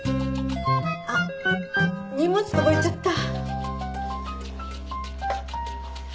あっ荷物届いちゃった。